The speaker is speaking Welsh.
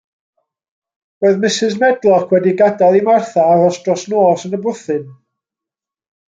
Roedd Mrs. Medlock wedi gadael i Martha aros dros nos yn y bwthyn.